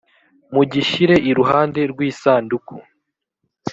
mugishyire iruhande rw isanduku